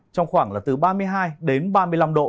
trong khoảng là từ ba mươi hai đến ba mươi năm độ